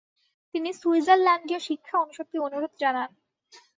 তিনি সুইজারল্যান্ডীয় শিক্ষা অনুষদকে অনুরোধ জানান।